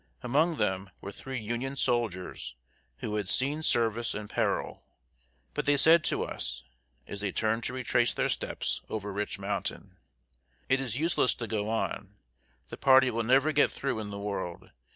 Among them were three Union soldiers, who had seen service and peril. But they said to us, as they turned to retrace their steps over Rich Mountain: "It is useless to go on. The party will never get through in the world.